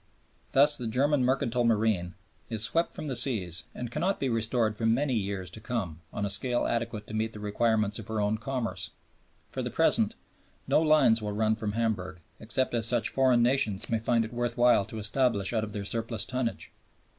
Thus the German mercantile marine is swept from the seas and cannot be restored for many years to come on a scale adequate to meet the requirements of her own commerce. For the present, no lines will run from Hamburg, except such as foreign nations may find it worth while to establish out of their surplus tonnage.